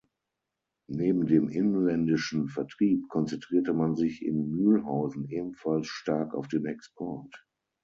Neben dem inländischen Vertrieb konzentrierte man sich in Mühlhausen ebenfalls stark auf den Export.